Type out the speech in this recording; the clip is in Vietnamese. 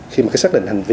khi mà cái xác định hành vi